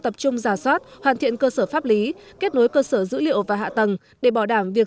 tập trung giả soát hoàn thiện cơ sở pháp lý kết nối cơ sở dữ liệu và hạ tầng để bảo đảm việc